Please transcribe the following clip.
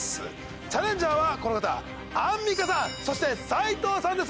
チャレンジャーはこの方アンミカさんそして斎藤さんです